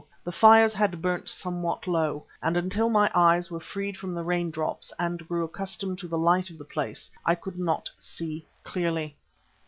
The fires had burnt somewhat low and until my eyes were freed from the raindrops and grew accustomed to the light of the place I could not see clearly.